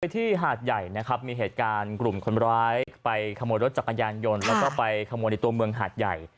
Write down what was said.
ที่หาดใหญ่นะครับมีเหตุการณ์กลุ่มคนร้ายไปขโมยรถจักรยานยนต์แล้วก็ไปขโมยในตัวเมืองหาดใหญ่